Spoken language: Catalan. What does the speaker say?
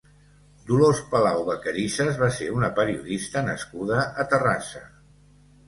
Dolors Palau Vacarisas va ser una periodista nascuda a Terrassa.